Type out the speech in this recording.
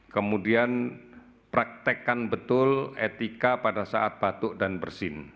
kemudian praktekkan betul etika pada saat batuk dan bersin